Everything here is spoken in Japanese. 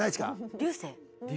流星！